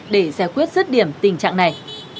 để giải quyết rứt điểm tình trạng này